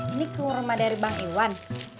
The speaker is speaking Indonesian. ini kurma dari bang hewan